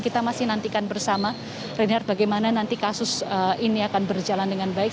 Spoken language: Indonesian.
kita masih nantikan bersama reinhardt bagaimana nanti kasus ini akan berjalan dengan baik